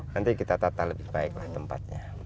nanti kita tata lebih baiklah tempatnya